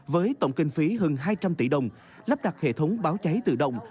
với tổng kinh phí hơn hai trăm linh tỷ đồng lắp đặt hệ thống báo cháy tự động